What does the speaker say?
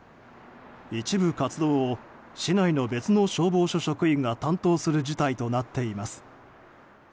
一部活動を市内の別の消防署職員が担当する事態となっています。